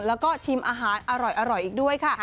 แล้วก็ชิมอาหารอร่อยอีกด้วยค่ะ